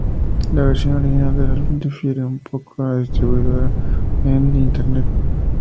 La versión original del álbum difiere un poco de la distribuida en internet.